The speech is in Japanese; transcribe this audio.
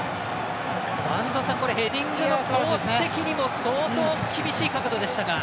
播戸さん、ヘディングのコース的にも相当厳しい角度でしたが。